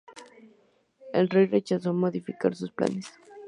El rey rechazó modificar sus planes.